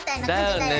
だよね。